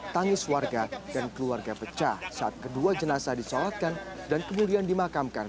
tangis warga dan keluarga pecah saat kedua jenazah disolatkan dan kemudian dimakamkan